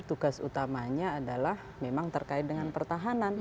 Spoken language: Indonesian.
tugas utamanya adalah memang terkait dengan pertahanan